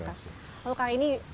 kalau kang ini